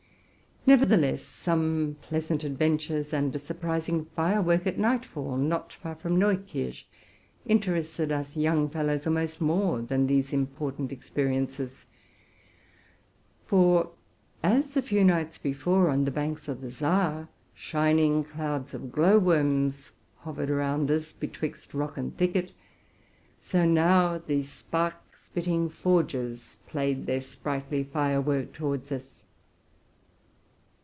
Nevertheless, some pleasant adventures, and a surprising firework at nightfall, not far from Neukirch, interested us young fellows almost more than these important experiences. For as a few nights before, on the banks of the Saar, shin ing clouds of glow worms hovered around us, betwixt rock and thicket; so now the spark spitting forges played their sprightly firework towards us.